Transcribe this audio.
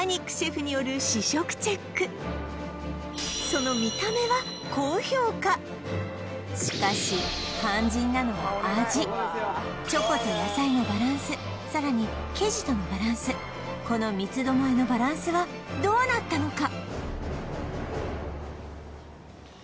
そのしかし肝心なのは味チョコと野菜のバランスさらに生地とのバランスこの三つ巴のバランスはどうなったのか？